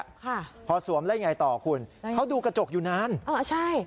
ค่ะพอสวมแล้วยังไงต่อคุณใช่เขาดูกระจกอยู่นานเออใช่